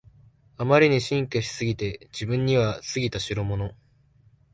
あまりに進化しすぎて自分には過ぎたしろもの